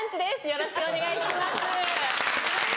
よろしくお願いします。